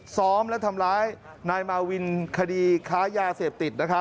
ซ้อมและทำร้ายนายมาวินคดีค้ายาเสพติด